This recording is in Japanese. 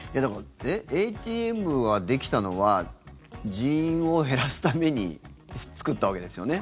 ＡＴＭができたのは人員を減らすために作ったわけですよね。